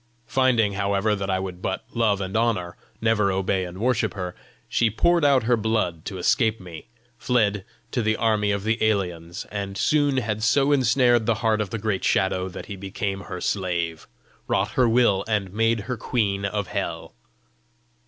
Finding, however, that I would but love and honour, never obey and worship her, she poured out her blood to escape me, fled to the army of the aliens, and soon had so ensnared the heart of the great Shadow, that he became her slave, wrought her will, and made her queen of Hell.